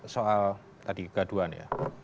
soal tadi kegaduhan ya